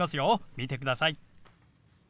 見てください。